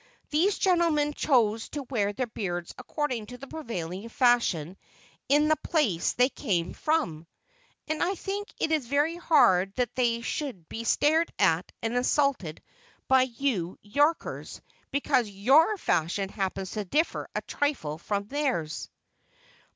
"These gentlemen choose to wear their beards according to the prevailing fashion in the place they came from; and I think it is very hard that they should be stared at and insulted by you Yorkers because your fashion happens to differ a trifle from theirs."